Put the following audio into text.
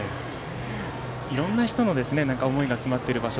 いろんな人の思いが詰まっている場所